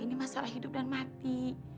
ini masalah hidup dan mati